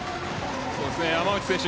山内選手